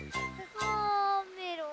あメロン！